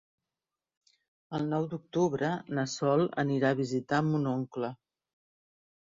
El nou d'octubre na Sol anirà a visitar mon oncle.